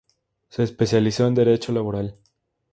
Se especializó en Derecho Laboral.